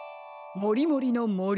もりもりのもり。